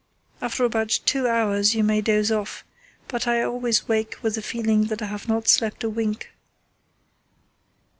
After about two hours you may doze off, but I always wake with the feeling that I have not slept a wink."